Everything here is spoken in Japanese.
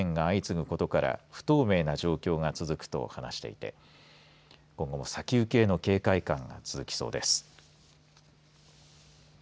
ただ市場関係者はこれから多額の利払いの期限が相次ぐことから不透明な状況が続くと話していて今後も先行きへの警戒感が続きそうです。